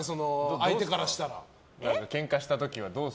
相手からしたら。